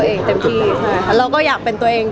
แต่จริงแล้วเขาก็ไม่ได้กลิ่นกันว่าถ้าเราจะมีเพลงไทยก็ได้